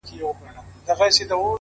كله توري سي;